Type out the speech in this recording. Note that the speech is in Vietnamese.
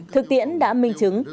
thực tiễn đã minh chứng